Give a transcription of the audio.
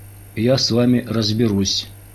Я с вами разберусь!